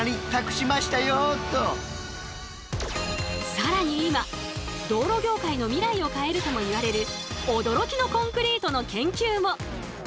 更に今道路業界の未来を変えるともいわれる驚きのコンクリートの研究も！